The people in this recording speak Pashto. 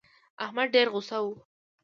احمد ډېر غوسه و.